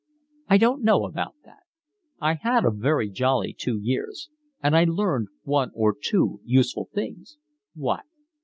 "I don't know about that. I had a very jolly two years, and I learned one or two useful things." "What?"